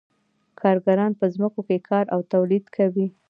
کارګران په ځمکو کې کار او تولید کوي